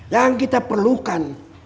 yang kita perlukan